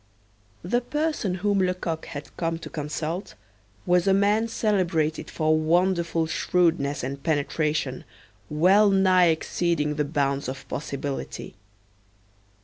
The person whom Lecoq had come to consult was a man celebrated for wonderful shrewdness and penetration, well nigh exceeding the bounds of possibility.